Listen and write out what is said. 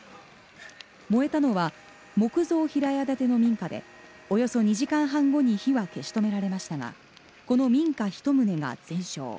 燃えたのは、木造平屋建ての民家でおよそ２時間半後に火は消し止められましたが、この民家１棟が全焼。